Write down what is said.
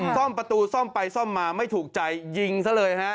ซ่อมประตูซ่อมไปซ่อมมาไม่ถูกใจยิงซะเลยฮะ